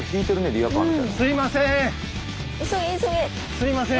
すいません！